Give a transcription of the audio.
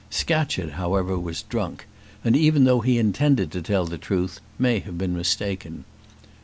Scatcherd, however, was drunk; and even though he intended to tell the truth, may have been mistaken.